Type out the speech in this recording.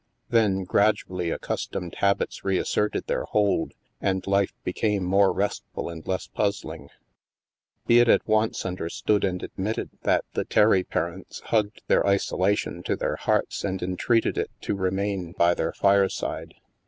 Then, gradually, accustomed habits reasserted their hold, and life became more restful and less puzzling. Be it at once understood and admitted that the STILL WATERS 57 Terry parents hugged their isolation to their hearts and entreated it to remain by their fireside.